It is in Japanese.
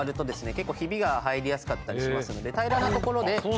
結構ヒビが入りやすかったりしますので平らな所で。